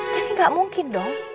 jadi gak mungkin dong